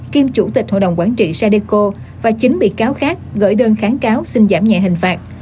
kiêm chủ tịch hội đồng quản trị sadeco và chín bị cáo khác gửi đơn kháng cáo xin giảm nhẹ hình phạt